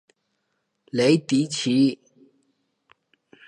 雷迪奇。